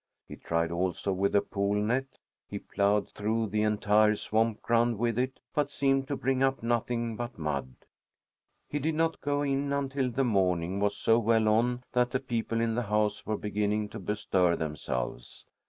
He tried also with a pole net. He ploughed through the entire swamp ground with it, but seemed to bring up nothing but mud. He did not go in until the morning was so well on that the people in the house were beginning to bestir themselves.